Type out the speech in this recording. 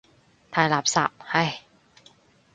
太垃圾，唉。